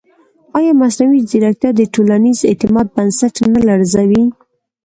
ایا مصنوعي ځیرکتیا د ټولنیز اعتماد بنسټ نه لړزوي؟